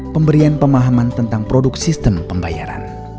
pemberian pemahaman tentang produk sistem pembayaran